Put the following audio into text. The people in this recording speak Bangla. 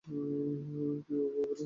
কেউই ভাবে না।